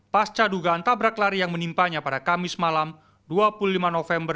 pasca dugaan tabrak lari yang menimpanya pada kamis malam dua puluh lima november